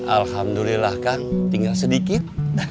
alhamdulillah kang tinggal sedikit